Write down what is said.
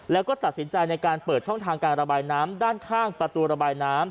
แล้วก็ตัดสินใจในการเปิดช่องทางการระบายน้ำด้านข้างประตูระบายน้ำ